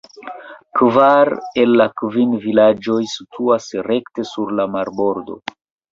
Kvar el la kvin vilaĝoj situas rekte sur la marbordo.